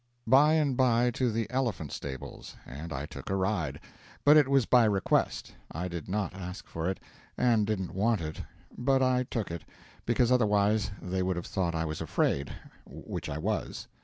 By and by to the elephant stables, and I took a ride; but it was by request I did not ask for it, and didn't want it; but I took it, because otherwise they would have thought I was afraid, which I was.